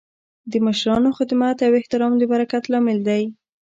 د مشرانو خدمت او احترام د برکت لامل دی.